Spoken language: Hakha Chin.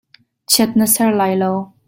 Chiat na ser lai lo.